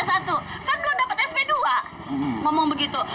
satu kan belum dapat sp dua ngomong begitu